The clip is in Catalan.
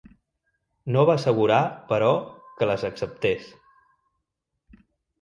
No va assegurar, però, que les acceptés.